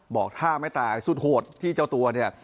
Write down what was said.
บอกท่าไม่ตายสุดโหดที่เจ้าตัวเนี่ย